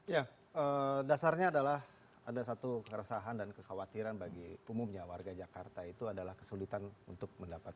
ya dasarnya adalah ada satu keresahan dan kekhawatiran bagi umumnya warga jakarta itu adalah kesulitan untuk mendapatkan